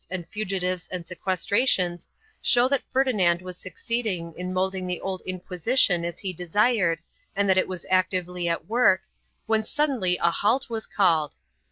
V] PAPAL INTERFERENCE 233 fugitives and sequestrations show that Ferdinand was succeeding in moulding the old Inquisition as he desired and that it was actively at work, when suddenly a halt was called.